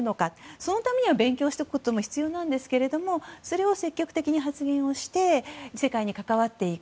そのためには勉強しておくことも必要ですがそれを積極的に発言をして世界に関わっていく。